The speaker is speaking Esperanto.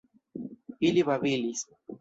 Ili babilis.